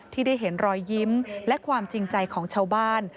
ที่ได้เห็นรอยยิ้มและความจริงใจของชาวบ้าน